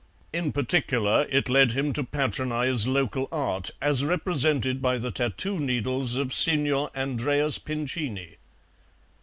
In particular it led him to patronize local art as represented by the tattoo needles of Signor Andreas Pincini.